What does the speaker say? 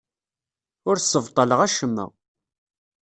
Ur ssebṭaleɣ acemma.